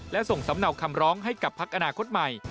และส่งสำเนาคำร้องให้กับพักอนาคตใหม่